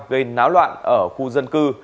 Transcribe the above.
gây náo loạn ở khu dân cư